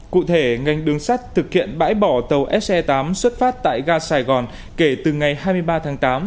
cụ thể ngành đường sắt thực hiện bãi bỏ tàu se tám xuất phát tại ga sài gòn kể từ ngày hai mươi ba tháng tám